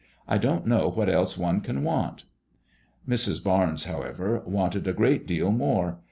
I don't know what else one can want." Mrs. Barnes, however, wanted a great deal more.